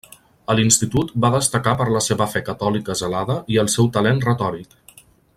A l'institut va destacar per la seva fe catòlica zelada i el seu talent retòric.